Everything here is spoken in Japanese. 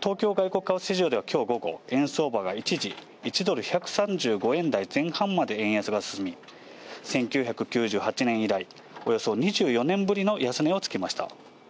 東京外国為替市場ではきょう午後、円相場が一時、１ドル１３５円台前半まで円安が進み、１９９８年以来、およそ２４年ぶりの安値をつけました。